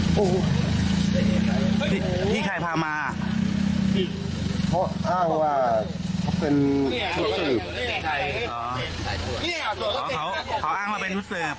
โอ้โหพี่พี่ใครพามาเพราะอ้างว่าเขาเป็นอ๋อเขาเขาอ้างว่าเป็น